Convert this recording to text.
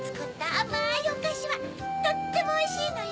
あまいおかしはとってもおいしいのよ！